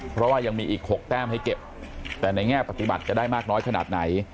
เพราะว่ายังมีอีก๖แต้มให้เก็บแต่ในแง่ปฏิบัติจะได้มากน้อยขนาดไหน